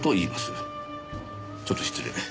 ちょっと失礼。